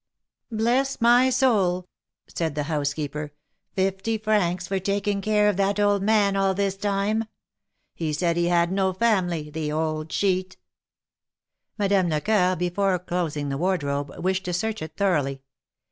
Bless my soul said the housekeeper, fifty francs for taking care of that old man all this time] He said he had no family, the old cheat Madame Lecoeur, before elosing the wardrobe, wished to search it thoroughly.